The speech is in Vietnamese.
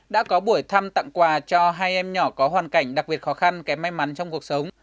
đã có buổi thăm tặng quà cho hai em nhỏ có hoàn cảnh đặc biệt khó khăn kém may mắn trong cuộc sống